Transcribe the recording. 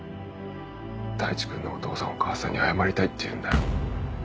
大地君のお父さんお母さんに謝りたいって言うんだよ。